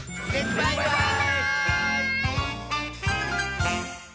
バイバーイ！